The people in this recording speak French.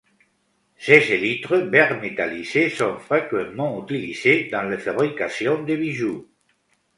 Ses élytres vert métallisé sont fréquemment utilisés dans la fabrication de bijoux.